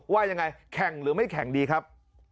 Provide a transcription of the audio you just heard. ว่ายังไงแข่งหรือไม่แข่งดีครับ